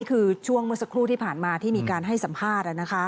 คือช่วงเมื่อสักครู่ที่ผ่านมาที่มีการให้สัมภาษณ์